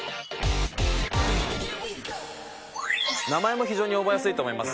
名前も非常に覚えやすいと思います。